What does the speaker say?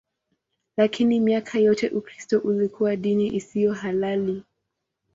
Lakini miaka yote Ukristo ulikuwa dini isiyo halali.